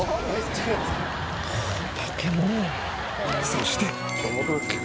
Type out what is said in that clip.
そして。